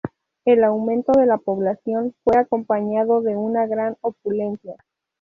El aumento de la población fue acompañado de una gran opulencia.